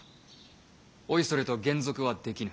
おいそれと還俗はできぬ。